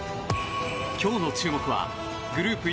今日の注目はグループＥ